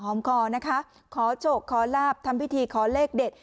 คอนะคะขอโชคขอลาบทำพิธีขอเลขเด็ด